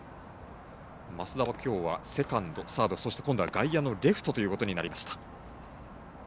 増田は、きょうはセカンド、サードそして、今度は外野のレフトということになりました。